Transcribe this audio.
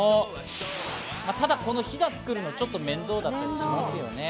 ただこのヒダ作るの面倒だったりしますよね。